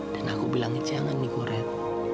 dan aku bilang jangan nih goret